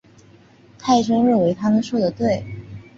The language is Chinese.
太宗认为他们说得对。